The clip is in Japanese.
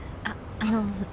あっあの。